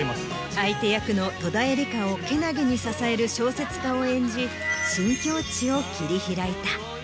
相手役の戸田恵梨香を健気に支える小説家を演じ新境地を切り開いた。